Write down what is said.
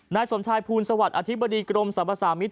นายสมชายภูลสวัสดิอธิบดีกรมสรรพสามิตร